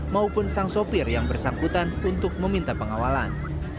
maupun sang sopir yang bersangkutan untuk meminta pengawalan